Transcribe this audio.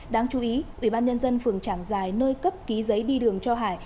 đáng chú ý ủy ban nhân dân phường trảng dài nơi cấp ký giấy đi đường cho hải